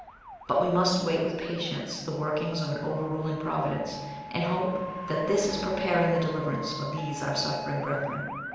But we must wait with patience the workings of an overruling Providence, and hope that that is preparing the deliverance of these our suffering brethren.